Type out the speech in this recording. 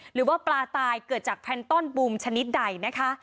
หรือว่าปลาตายเกิดจากแพนต้อนบูมชนิดใดนะคะ